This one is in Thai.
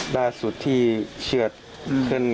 ล่าสุธิเชือดขึ้น